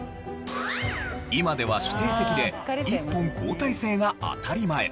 今では指定席で１本交代制が当たり前。